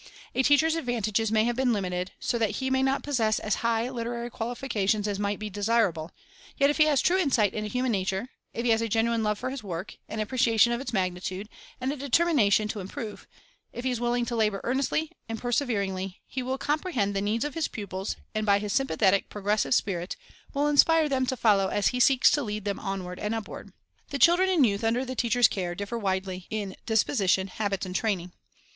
A teacher's advantages may have been limited, so that he may not possess as high literary qualifications as might be desirable; yet if he has true insight into human nature; if he has a genuine love for his work, an appreciation of its magnitude, and a determination to improve; if he is willing to labor earnestly and persever ingly, he will comprehend the needs of his pupils, and, by his sympathetic, progressive spirit, will inspire them to follow as he seeks to lead them onward and upward. The children and youth under the teacher's care differ widely in disposition, habits, and training.